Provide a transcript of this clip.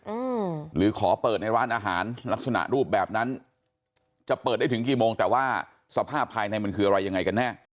อืมหรือขอเปิดในร้านอาหารลักษณะรูปแบบนั้นจะเปิดได้ถึงกี่โมงแต่ว่าสภาพภายในมันคืออะไรยังไงกันแน่